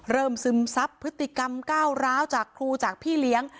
ซึมซับพฤติกรรมก้าวร้าวจากครูจากพี่เลี้ยง